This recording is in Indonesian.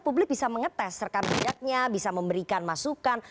publik bisa mengetes serkan bidatnya bisa memberikan masukan